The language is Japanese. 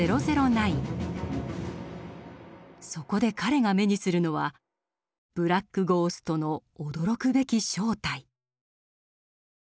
そこで彼が目にするのはブラック・ゴーストの驚くべき正体。